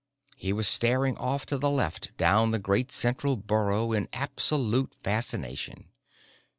He was staring off to the left down the great central burrow in absolute fascination.